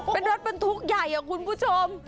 เป็นรถบรรทุกใหญ่คุณผู้ชม